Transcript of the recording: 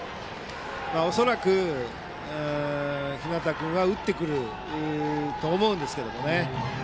恐らく日當君は打ってくると思うんですけどもね。